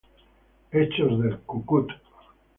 Hechos del ¡Cu-Cut!